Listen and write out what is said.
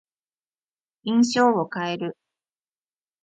印象を変える。